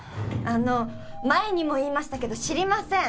あの前にも言いましたけど知りません。